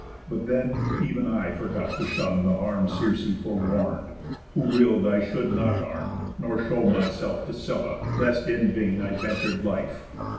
But then ev'n I forgot to shun the harm Circe forewarn'd; who will'd I should not arm, Nor show myself to Scylla, lest in vain I ventur'd life.